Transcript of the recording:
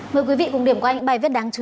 mời quý vị cùng điểm quanh bài viết đáng chú ý